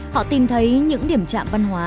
họ tìm thấy những điểm trạm văn hóa